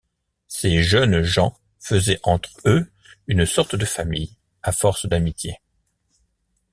Ces jeunes gens faisaient entre eux une sorte de famille, à force d’amitié.